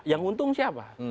yang untung siapa